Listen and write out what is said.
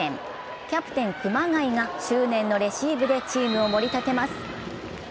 キャプテン・熊谷が執念のレシーブでチームをもり立てます。